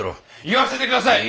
言わせて下さい！